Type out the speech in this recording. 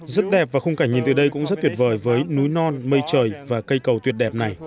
rất đẹp và khung cảnh nhìn từ đây cũng rất tuyệt vời với núi non mây trời và cây cầu tuyệt đẹp này